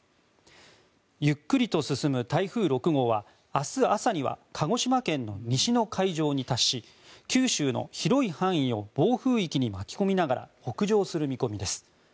ゆっくりと進む台風６号は明日朝には鹿児島県の西の海上に達し九州の広い範囲を暴風域に巻き込みながら北上する見込みです。